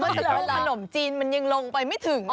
เพราะว่าขนมจีนมันยังลงไปไม่ถึงอ่ะคุณ